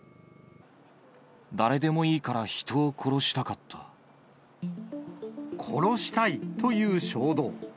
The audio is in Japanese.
誰でもいいから人を殺したか殺したいという衝動。